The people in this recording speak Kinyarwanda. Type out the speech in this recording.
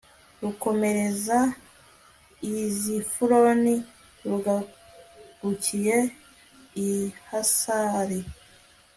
rukomereze i zifuroni rugarukire i hasari